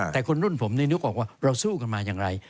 แต่คนรุ่นผมนี่นึกออกว่าเราสู้กันมาอย่างไร